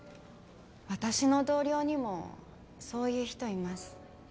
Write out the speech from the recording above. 私の同僚にもそういう人います。